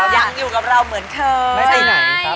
ยังอยู่กับเราเหมือนเค้า